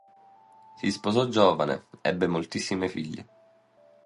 Si sposò giovane, ebbe moltissime figlie.